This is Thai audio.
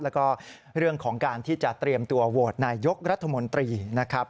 แล้วก็เรื่องของการที่จะเตรียมตัวโหวตนายกรัฐมนตรีนะครับ